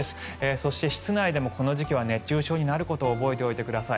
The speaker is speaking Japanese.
そして、室内でもこの時期は熱中症になることを覚えておいてください。